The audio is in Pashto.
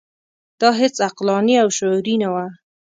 دا هیڅ عقلاني او شعوري نه وه.